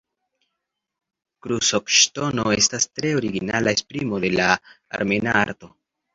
Krucoŝtono estas tre originala esprimo de la armena arto.